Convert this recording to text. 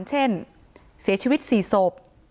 เช่นเสียชีวิต๔ศพ